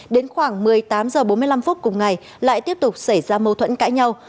đến khoảng một mươi tám h bốn mươi năm phút cùng ngày lại tiếp tục xảy ra mâu thuẫn cãi nhau